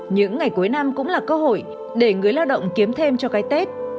những ngày cuối năm cũng là cơ hội để người lao động kiếm thêm cho cái tết